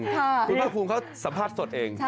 คุณภาคภูมิเขาสัมภาษณ์สดเอง